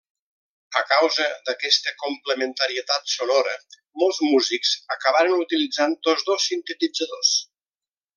A causa d'aquesta complementarietat sonora, molts músics acabaren utilitzant tots dos sintetitzadors.